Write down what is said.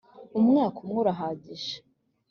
umwaka umwe urahagije